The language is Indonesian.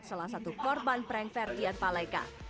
salah satu korban prank ferdian paleka